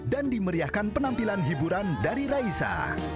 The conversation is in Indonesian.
dan dimeriahkan penampilan hiburan dari raisa